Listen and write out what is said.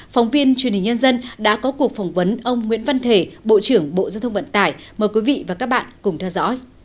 phóng viên truyền hình nhân dân đã có cuộc phỏng vấn ông nguyễn văn thể bộ trưởng bộ giao thông vận tải mời quý vị và các bạn cùng theo dõi